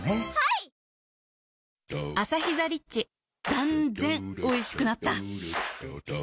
断然おいしくなった